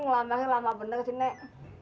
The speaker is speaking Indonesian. ngelambahnya lama bener sih nek